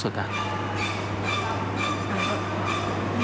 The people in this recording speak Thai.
เออลงเข้าไปกอร์ดเยอะ